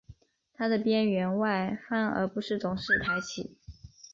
它的边缘外翻而不是总是抬起。